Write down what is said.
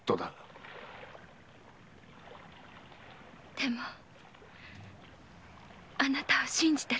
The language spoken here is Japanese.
でもあなたを信じてるわ。